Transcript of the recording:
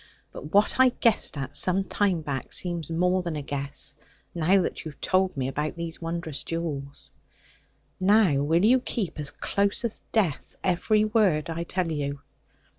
But what I guessed at some time back seems more than a guess, now that you have told me about these wondrous jewels. Now will you keep, as close as death, every word I tell you?'